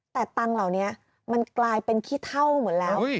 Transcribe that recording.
แต่ตังค์เหล่านี้มันกลายเป็นขี้เท่าหมดแล้ว